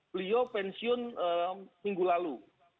beliau pensiun minggu lalu